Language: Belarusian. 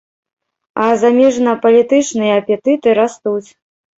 А замежнапалітычныя апетыты растуць.